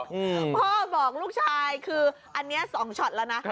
อืมพ่อบอกลูกชายคืออันนี้สองช็อตแล้วนะ